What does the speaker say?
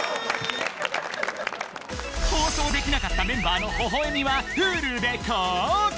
放送できなかったメンバーの微笑みはＨｕｌｕで公開！